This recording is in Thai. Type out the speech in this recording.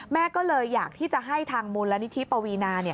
แม่ก็เลยอยากที่จะให้ทางมูลนิธิปวีนา